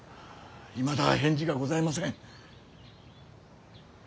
いまだ返事がございません。